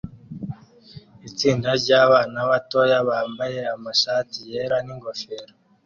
Itsinda ryabana batoya bambaye amashati yera ningofero